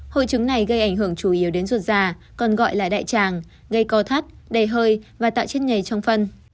hội trứng này gây ảnh hưởng chủ yếu đến ruột già còn gọi là đại tràng gây co thắt đầy hơi và tạo chất nhầy trong phân